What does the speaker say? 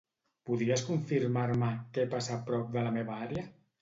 Podries confirmar-me què passa a prop de la meva àrea?